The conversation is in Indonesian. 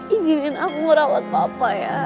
izinin aku rawat papa ya